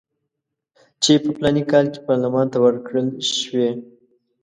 چې په فلاني کال کې پارلمان ته ورکړل شوي.